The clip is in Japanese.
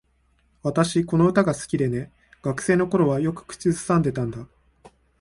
私、この歌が好きでね。学生の頃はよく口ずさんでたんだ。